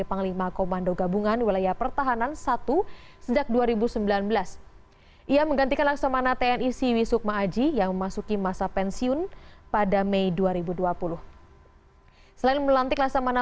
persiapan penandatanganan berita acara penandatanganan berita acara penandatanganan